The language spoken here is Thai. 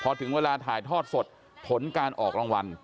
พอถึงเวลาถ่ายทอดสดผลการออกรางวัล